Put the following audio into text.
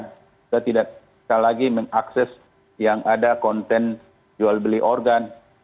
kita tidak bisa lagi mengakses yang ada konten jual beli organ